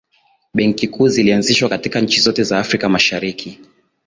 benki kuu zilianzishwa katika nchi zote za afrika mashariki